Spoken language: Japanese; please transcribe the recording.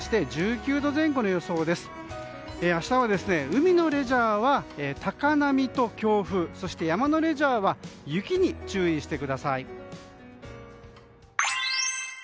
海のレジャーは高波と強風、山のレジャーは雪に注意してください。